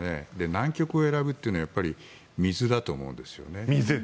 南極を選ぶというのは水だと思うんですね。